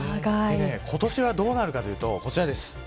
今年はどうなるかというとこちらです。